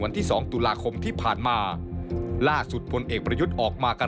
อ่าขี้อย่าตอบแทนไปฟังเขาตอบมา